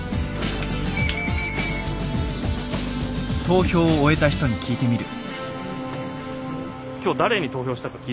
投票を終えた人に聞いてみる。